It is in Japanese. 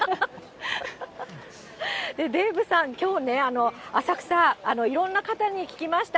デーブさん、きょうね、浅草、いろんな方に聞きました。